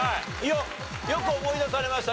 よく思い出されましたね